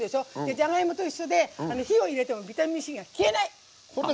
じゃがいもと一緒で火を入れてもビタミンＣが消えない！